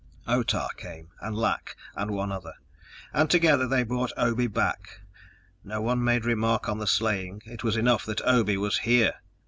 Otah came, and Lak and one other, and together they brought Obe back. No one made remark on the slaying; it was enough that Obe was here!